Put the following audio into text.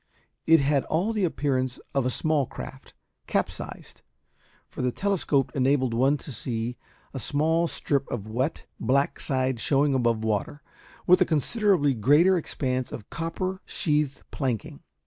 It had all the appearance of a small craft, capsized; for the telescope enabled one to see a small strip of wet, black side showing above water, with a considerably greater expanse of copper sheathed planking.